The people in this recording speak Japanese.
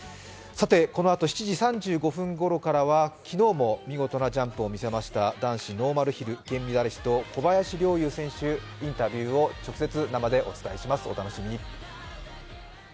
このあと７時３５分ごろからは昨日も見事なジャンプを見せました男子ノーマルヒル金メダリスト小林陵侑選手、インタビューを直接、生でお届けします。